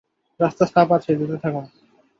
রাস্তা সাফ আছে, যেতে থাকুন।